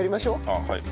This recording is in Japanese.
ああはい。